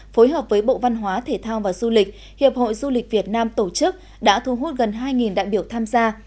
phối hợp với bộ văn hóa thể thao và du lịch hiệp hội du lịch việt nam tổ chức đã thu hút gần hai đại biểu tham gia